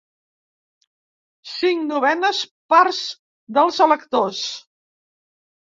Cinc novenes parts dels electors.